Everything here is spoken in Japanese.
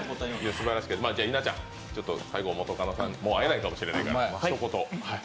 稲ちゃん、最後、元カノさんにもう会えないかもしれなからひと言。